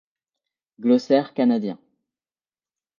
Glossaire canadien.